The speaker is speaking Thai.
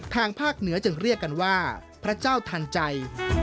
ทางภาคเหนือจึงเรียกกันว่าพระเจ้าทันใจ